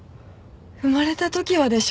生まれたときはでしょ？